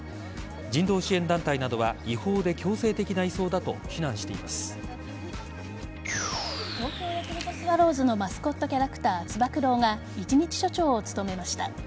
人道支援団体などは違法で強制的な移送だと東京ヤクルトスワローズのマスコットキャラクターつば九郎が一日署長を務めました。